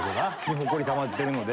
ホコリたまってるので。